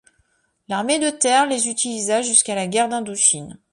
L’Armée de terre les utilisa jusqu’à la guerre d’Indochine.